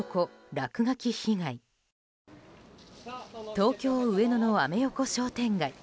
東京・上野のアメ横商店街。